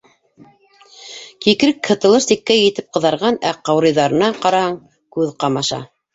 Кикрек һытылыр сиккә етеп ҡыҙарған, ә ҡаурыйҙарына ҡараһаң, күҙ ҡамаша.